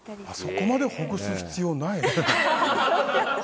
そこまでほぐす必要、ない。